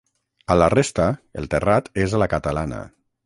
A la resta el terrat és a la catalana.